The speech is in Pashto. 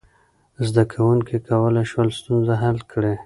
زده کوونکي کولی شول ستونزه حل کړي.